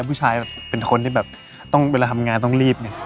พูดชายเป็นคนที่ต้องเวลาทั้งงานต้องรีบ